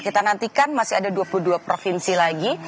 kita nantikan masih ada dua puluh dua provinsi lagi